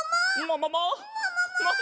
ももも！？